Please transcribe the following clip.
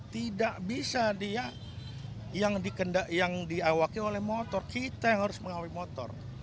tidak bisa dia yang diawaki oleh motor kita yang harus mengawai motor